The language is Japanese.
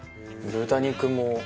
豚肉も。